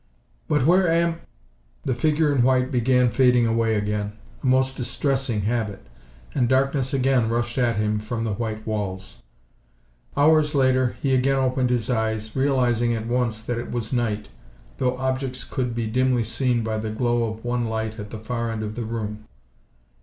"But where am " The figure in white began fading away again, a most distressing habit, and darkness again rushed at him from the white walls. Hours later he again opened his eyes, realizing at once that it was night, though objects could be dimly seen by the glow of the one light at the far end of the room.